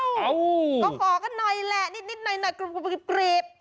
ก็ขอกันหน่อยแหละนิดหน่อยกรุบ